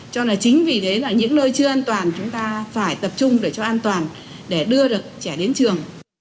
cho nên chính vì thế là những nơi chưa an toàn chúng ta phải tập trung để cho an toàn để đưa được trẻ đến trường